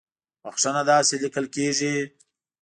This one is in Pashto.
بخښنه داسې ليکل کېږي